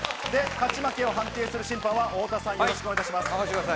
勝ち負けを判定する審判は太田さん、よろしくお願いします。